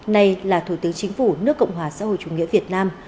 nay là thủ tướng chính phủ nước cộng hòa xã hội chủ nghĩa việt nam